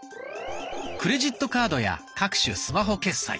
クレジットカードや各種スマホ決済